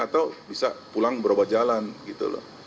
atau bisa pulang berobat jalan gitu loh